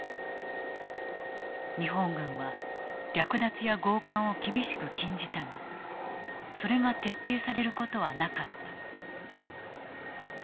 日本軍は略奪や強姦を厳しく禁じたがそれが徹底されることはなかった。